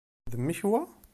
D mmik wa?